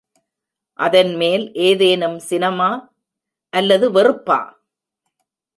அதன் மேல் ஏதேனும் சினமா? — அல்லது வெறுப்பா?